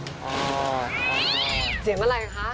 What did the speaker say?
อ๋อใช่เสียงมันอะไรฮะ